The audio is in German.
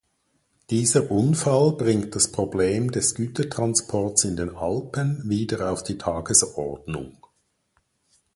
Dieser Unfall bringt das Problem des Gütertransports in den Alpen wieder auf die Tagesordnung.